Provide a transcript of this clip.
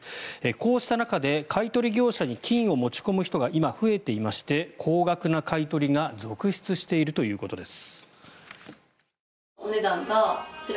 こうした中で買い取り業者に金を持ち込む人が今、増えていまして高額な買い取りが続出しているということです。